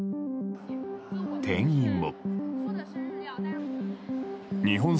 店員も。